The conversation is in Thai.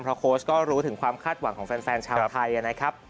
เพราะโค้ชก็รู้ถึงความคาดหวังของแฟนชาวไทยนะครับ